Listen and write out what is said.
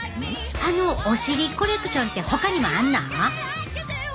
あのお尻コレクションってほかにもあんの？